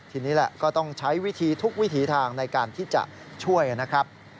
ทีนี้แหละก็ต้องใช้วิธีทุกวิถีทางในการที่จะช่วยนะครับ